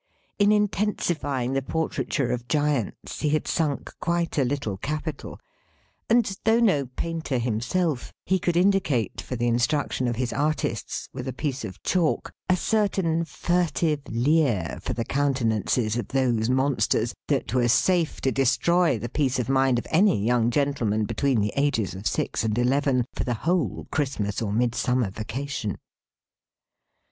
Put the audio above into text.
In intensifying the portraiture of Giants, he had sunk quite a little capital; and, though no painter himself, he could indicate, for the instruction of his artists, with a piece of chalk, a certain furtive leer for the countenances of those monsters, that was safe to destroy the peace of mind of any young gentleman between the ages of six and eleven, for the whole Christmas or Midsummer Vacation.